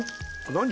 何？